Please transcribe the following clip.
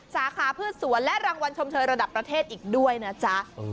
สาขาพืชสวนและรางวัลชมเชยระดับประเทศอีกด้วยนะจ๊ะ